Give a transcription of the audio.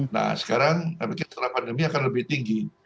nah sekarang saya pikir setelah pandemi akan lebih tinggi